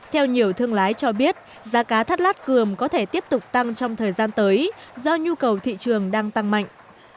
theo nhiều thương lái cho biết giá cá thắt lát cường có thể tiếp tục tăng trong thời gian tới do nhu cầu thị trường đang tăng mạnh